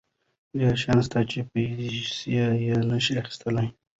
ډېر شیان شته چې پیسې یې نشي اخیستلی.